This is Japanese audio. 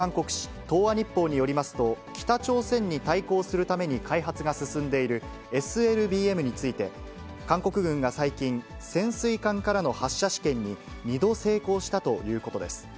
きょう付けの韓国紙、東亜日報によりますと、北朝鮮に対抗するために開発が進んでいる、ＳＬＢＭについて、韓国軍が最近、潜水艦からの発射試験に２度成功したということです。